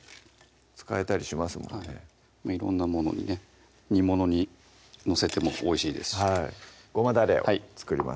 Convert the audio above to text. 使えたりしますもんね色んなものにね煮物に載せてもおいしいですしごまだれを作ります